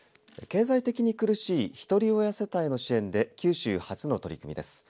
経済的に苦しいひとり親世帯の支援で九州初の取り組みです。